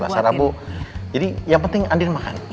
jadi yang penting andi makan